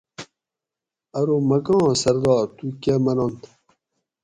ارو مکہ آں سردار تُو کہ مننت